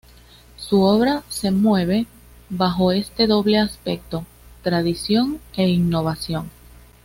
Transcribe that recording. Su obra se mueve bajo este doble aspecto: tradición e innovación.